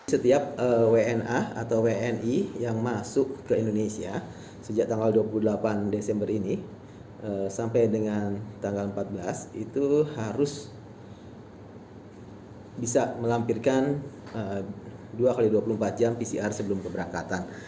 setiap wna atau wni yang masuk ke indonesia sejak tanggal dua puluh delapan desember ini sampai dengan tanggal empat belas itu harus bisa melampirkan dua x dua puluh empat jam pcr sebelum keberangkatan